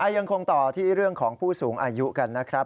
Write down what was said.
ยังคงต่อที่เรื่องของผู้สูงอายุกันนะครับ